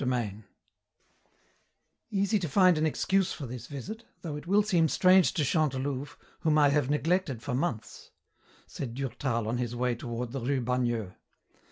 CHAPTER XII "Easy to find an excuse for this visit, though it will seem strange to Chantelouve, whom I have neglected for months," said Durtal on his way toward the rue Bagneux.